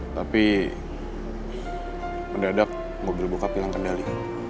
tapi mendadak mobil bokap hilang kendali